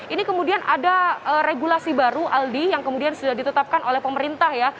ini kemudian ada regulasi baru aldi yang kemudian sudah ditetapkan oleh pemerintah ya